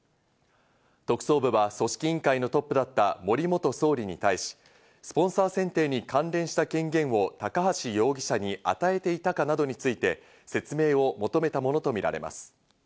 特捜部は組織委員会のトップだった森元総理に対し、スポンサー選定に関連した権限を高橋容疑者に与えていたかなどについて説明を求めたものとみられます。